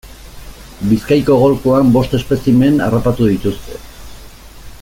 Bizkaiko golkoan bost espezimen harrapatu dituzte.